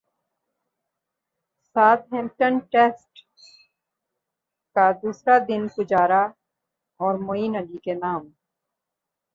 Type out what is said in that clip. ساتھ Hampton test کا دوسرا دن پجارا اور معین علی کے نام